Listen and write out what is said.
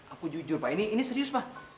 aku jujur pak ini ini serius pak